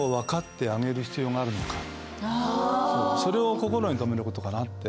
それを心に留める事かなって。